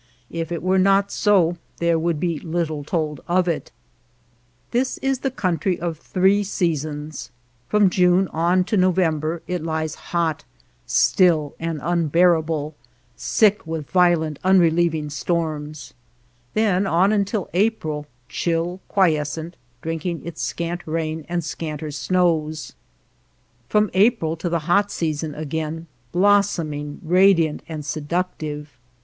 If it were not so there would be little told of it. This is the country of three seasoins^ From June on to November it lies hot, still, and unbearable, sick with violent unrelieving storms; then on until April, chill, quiescent, drinking its scant rain and scanter snows ; from April to the hot season again, blossoming, radiant, and seductive.